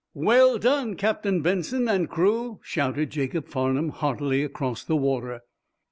"Well done, Captain Benson and crew!" shouted Jacob Farnum, heartily, across the water.